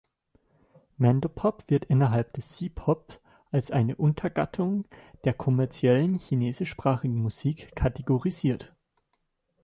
Mandopop wird innerhalb des C-Pop als eine Untergattung der kommerziellen chinesischsprachigen Musik kategorisiert.